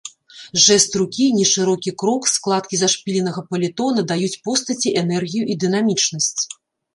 Жэст рукі, нешырокі крок, складкі зашпіленага паліто надаюць постаці энергію і дынамічнасць.